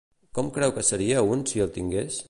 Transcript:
Com creu que seria un si el tingués?